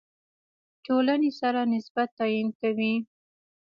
ټولنې سره نسبت تعیین کوي.